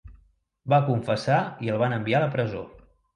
Va confessar i el van enviar a la presó.